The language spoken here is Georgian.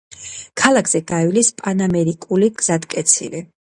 ქალაქზე გაივლის პანამერიკული გზატკეცილი.